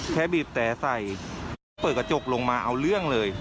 บีบแต่ใส่เปิดกระจกลงมาเอาเรื่องเลย